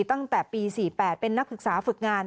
ตั้งแต่ปี๔๘เป็นนักศึกษาฝึกงาน